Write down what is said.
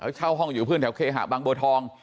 เช่าห้องอยู่เพื่อนแถวเคหะบางบัวทอง